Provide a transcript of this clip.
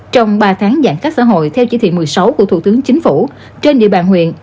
trong ba tháng giãn cách xã hội theo chỉ thị một mươi sáu của thủ tướng chính phủ trên địa bàn huyện